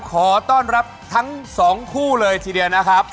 ขอต้อนรับทั้งสองคู่เลยทีเดียวนะครับ